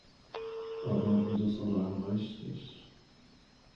Aber das allein reicht nicht.